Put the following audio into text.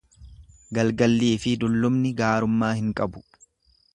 Galgalliifi dullumni gaarummaa hin qabu.